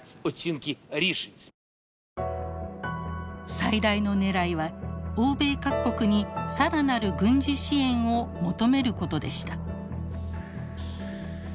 最大のねらいは欧米各国に更なる軍事支援を求めることでした。